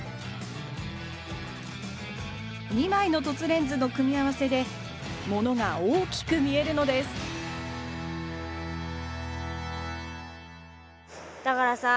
２枚の凸レンズの組み合わせでものが大きく見えるのですだからさ